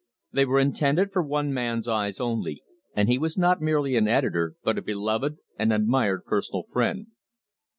They were intended for one man's eyes only, and he was not merely an editor but a beloved and admired personal friend.